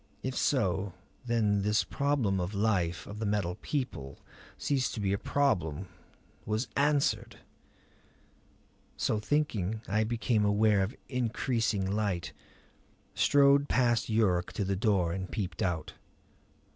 If so, then this problem of the life of the Metal People ceased to be a problem; was answered! So thinking I became aware of increasing light; strode past Yuruk to the door and peeped out.